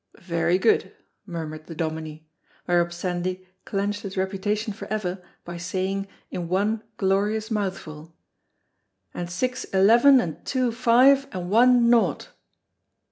"Very good," nmrmured the Dominie, whereupon Sandy clenched his reputation forever by saying, in one glorious mouthful, "and six, eleven, and two, five, and one, nocht."